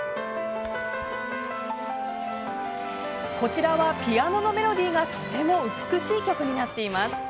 こちらはピアノのメロディーがとても美しい曲になっています。